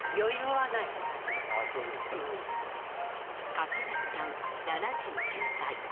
柿崎さん、７９歳。